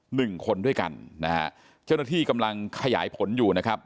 หนึ่งคนด้วยกันนะฮะเจ้าหน้าที่กำลังขยายผลอยู่นะครับ